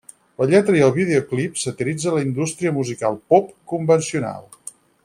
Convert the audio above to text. La lletra i el videoclip satiritza la indústria musical pop convencional.